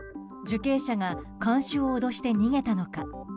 受刑者が看守を脅して逃げたのか。